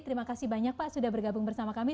terima kasih banyak pak sudah bergabung bersama kami